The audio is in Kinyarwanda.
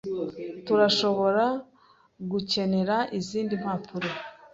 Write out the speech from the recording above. Turashobora gukenera izindi mpapuro.